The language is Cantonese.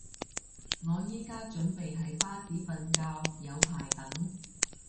我而家準備喺巴士瞓覺，有排等